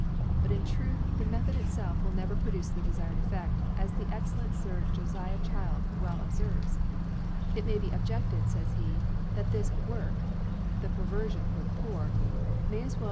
But in Truth the Method itfclf will never produce the deGred Effcft, as the excellent Sir Joftah Child well obfcrves J,—' It may ^ be objefted, fays he, that this Work (the* ' Pfovifion for the Poor) may as well be ♦ Chap.'